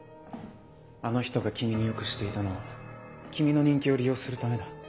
あの人が君に良くしていたのは君の人気を利用するためだ。